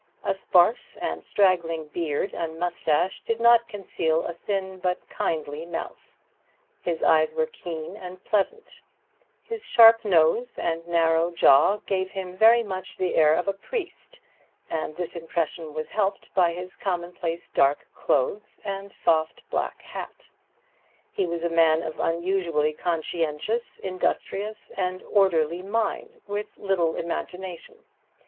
A sparse and straggling beard and mustache did not conceal a thin but kindly mouth; his eyes were keen and pleasant; his sharp nose and narrow jaw gave him very much the air of a priest, and this impression was helped by his commonplace dark clothes and soft black hat. He was a man of unusually conscientious, industrious and orderly mind, with little imagination.